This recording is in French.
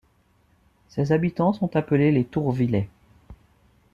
Ces habitants sont appelés les Tourvillais.